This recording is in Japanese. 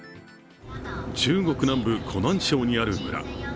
中国南部・湖南省にある村。